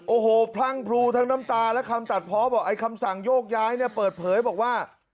โอ้โหพรั่งพลูทั้งน้ำตาและคำตัดเพาะบอกไอ้คำสั่งโยกย้ายเนี่ยเปิดเผยบอกว่า